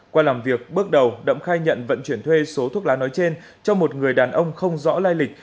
qua làm việc bước đầu đậm khai nhận vận chuyển thuê số thuốc lá nói trên cho một người đàn ông không rõ lai lịch